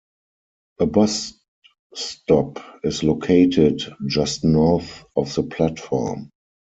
A bus stop is located just north of the platform.